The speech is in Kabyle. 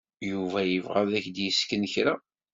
Yuba yebɣa ad ak-d-yessken kra.